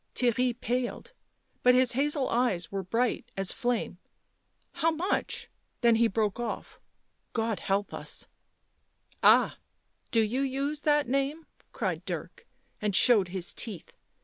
Theirry paled, but his hazel eyes were bright as flame. " How much?" then he broke off —" God help us " "Ah! — do you use that name?" cried Dirk, and showed his teeth.